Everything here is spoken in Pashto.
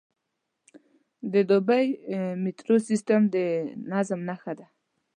د دوبی میټرو سیستم د نظم نښه ده.